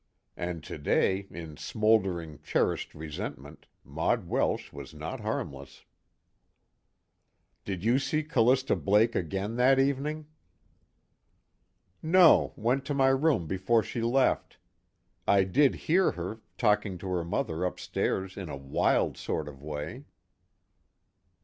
And today, in smouldering cherished resentment, Maud Welsh was not harmless. "Did you see Callista Blake again that evening?" "No, went to my room before she left. I did hear her, talking to her mother upstairs in a wild sort of way."